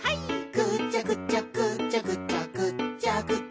「ぐちゃぐちゃぐちゃぐちゃぐっちゃぐちゃ」